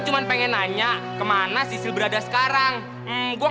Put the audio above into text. masalah ala dasar pembohong